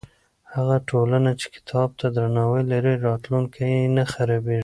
هغه ټولنه چې کتاب ته درناوی لري، راتلونکی یې نه خرابېږي.